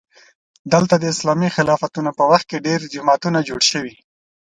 دلته د اسلامي خلافتونو په وخت کې ډېر جوماتونه جوړ شوي.